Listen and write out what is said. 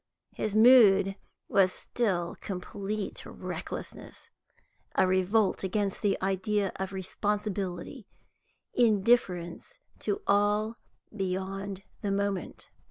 His mood was still complete recklessness, a revolt against the idea of responsibility, indifference to all beyond the moment.